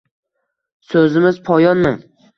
Soʼzimiz poyonmi? –